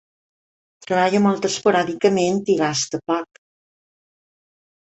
Treballa molt esporàdicament i gasta poc.